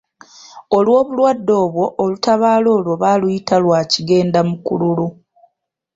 Olw'obulwadde obwo olutabaalo olwo baaluyita lwa Kigendamukululu.